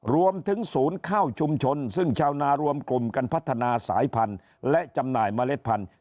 รวมถึงศูนย์เข้าชุมชนซึ่งชาวนารวมกลุ่มกันพัฒนาสายพันธุ์และจำหน่ายเมล็ดพันธุ